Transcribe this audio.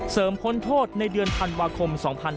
เสริมคนโทษในเดือนพันวาคม๒๕๕๕